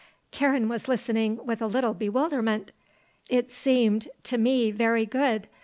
Karen was listening, with a little bewilderment. "It seemed, to me very good.